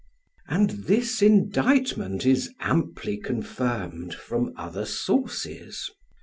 ] And this indictment is amply confirmed from other sources.